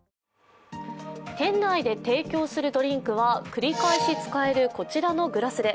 店内で提供するドリンクは繰り返し使えるこちらのグラスで。